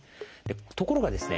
ところがですね